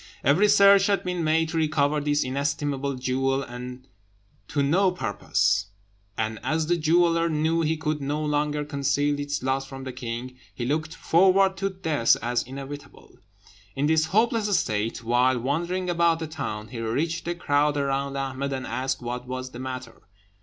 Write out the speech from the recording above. Every search had been made to recover this inestimable jewel, but to no purpose; and as the jeweller knew he could no longer conceal its loss from the king, he looked forward to death as inevitable. In this hopeless state, while wandering about the town, he reached the crowd around Ahmed and asked what was the matter.